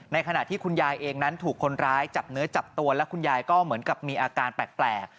ขณะที่คุณยายเองนั้นถูกคนร้ายจับเนื้อจับตัวและคุณยายก็เหมือนกับมีอาการแปลก